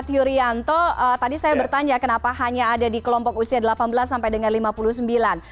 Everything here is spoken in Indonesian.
pak yuryanto tadi saya bertanya kenapa hanya ada di kelompok usia delapan belas sampai dengan lima puluh sembilan